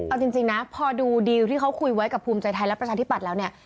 เอาจริงนะพอดูดีลที่เขาคุยไว้กับภูมิใจไทยและประชาธิปัตย์แล้วเนี่ย